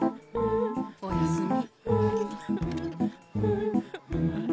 おやすみ。